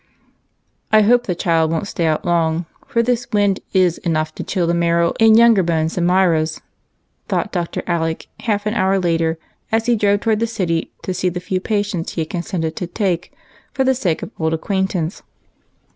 I hope the child won't stay out long, for this wind is enough to chill the marrow in younger bones than Myra's," thought Dr. Alec, half an hour later, as he drove toward the city to see the few patients he had consented to take for old acquaintance' sake. A SCARE.